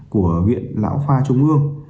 của viện lão khoa trung ương